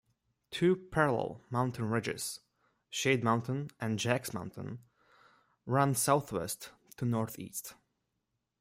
Two parallel mountain ridges, Shade Mountain and Jacks Mountain, run southwest to northeast.